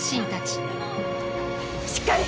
しっかり！